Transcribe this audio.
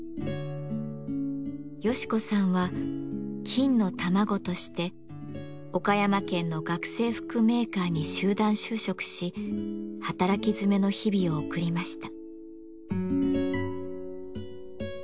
ヨシ子さんは「金の卵」として岡山県の学生服メーカーに集団就職し働き詰めの日々を送りました。